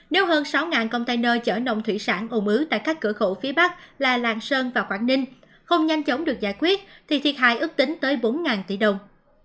nếu hơn sáu container chở nông thủy sản ồ ứ tại các cửa khẩu phía bắc là lạng sơn và quảng ninh không nhanh chóng được giải quyết thì thiệt hại ước tính tới bốn tỷ đồng